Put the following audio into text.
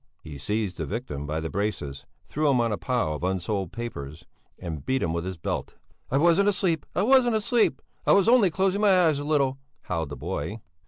He seized the victim by the braces, threw him on a pile of unsold papers, and beat him with his belt. "I wasn't asleep! I wasn't asleep! I was only closing my eyes a little," howled the boy.